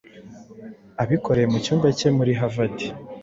abikoreye mu cyumba cye muri Harvard